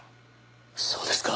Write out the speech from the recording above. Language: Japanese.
そうですか。